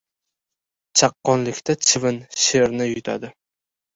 • Chaqqonlikda chivin sherni yutadi.